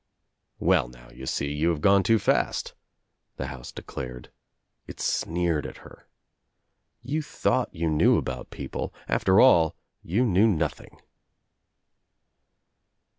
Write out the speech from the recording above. "Well now, you see, you have gone too fast," the house declared. It sneered at her. "You thought you knew about people. After all you knew nothing."